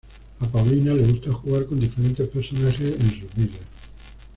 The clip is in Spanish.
A Paulina le gusta jugar con diferentes personajes en sus videos.